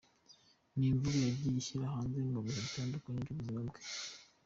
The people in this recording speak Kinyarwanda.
Ni imvugo yagiye ashyira hanze mu bihe bitandukanye by’ubuzima bwe.